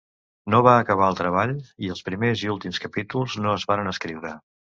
No va acabar el treball, i els primers i últims capítols no es varen escriure.